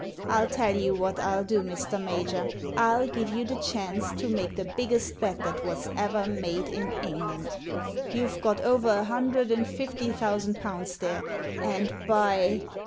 I'll tell you what I'll do, Mr. Major. I'll give you the chance to make the biggest bet that was ever made in England. You've got over a hundred and fifty thousand pounds there, and by